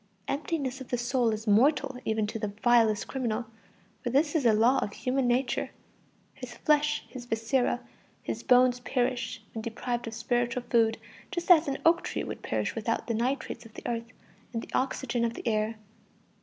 Emptiness of the soul is mortal even to the vilest criminal, for this is a law of human nature. His flesh, his viscera, his bones perish when deprived of spiritual food, just as an oak tree would perish without the nitrates of the earth and the oxygen of the air.